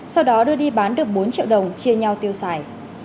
sau đó đưa đi bán được bốn triệu đồng chia nhau tiêu xài